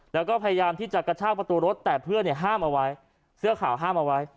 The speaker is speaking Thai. แล้วก็พยายามที่จะกระชากประตูรถแต่เพื่อนเนี่ยห้ามเอาไว้เสื้อขาวห้ามเอาไว้